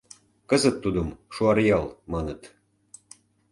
Кызыт тудым Шуаръял маныт.